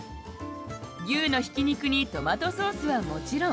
牛のひき肉にトマトソースはもちろん。